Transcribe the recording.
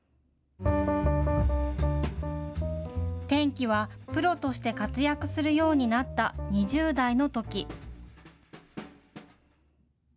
転機はプロとして活躍するようになった２０代のとき。